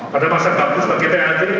pada masa kabus bagi dprd